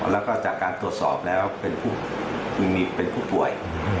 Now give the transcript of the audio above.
แล้วก็จากการตรวจสอบแล้วเป็นผู้ป่วย